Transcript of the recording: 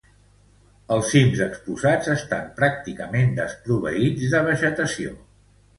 Els cims exposats estan pràcticament desproveïts de vegetació.